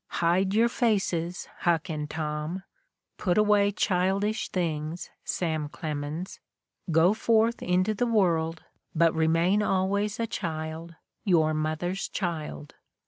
... Hide your faces, Huck and Tom! Put away childish things, Sam Clemens; go forth into the world, but remain always a child, your mother's child!